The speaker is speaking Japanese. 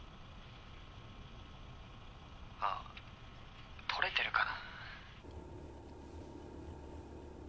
ああ録れてるかな？